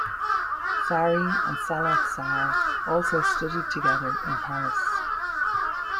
Sary and Saloth Sar also studied together in Paris.